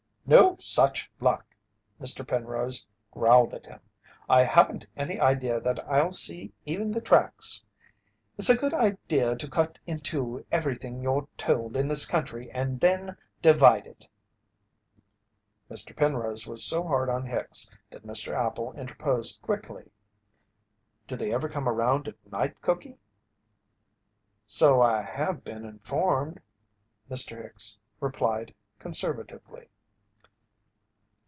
"No such luck," Mr. Penrose growled at him. "I haven't any idea that I'll see even the tracks. It's a good idea to cut in two everything you're told in this country and then divide it." Mr. Penrose was so hard on Hicks that Mr. Appel interposed quickly: "Do they ever come around at night, Cookie?" "So I have been informed," Mr. Hicks replied, conservatively.